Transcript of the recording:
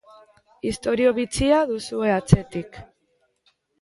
Istorio bitxia duzue atzetik.